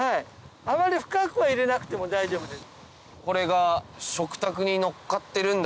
あまり深くは入れなくても大丈夫です。